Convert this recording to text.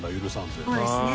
そうですね